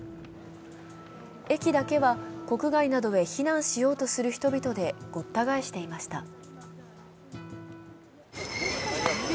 駅だけは国外などへ避難しようとする人々でごった返していました。